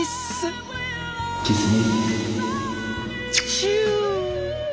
チュー！